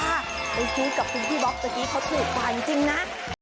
ไปซื้อกับติ๊กที่บ๊อกเมื่อกี้เขาถูกกว่าจริงจริงน่ะ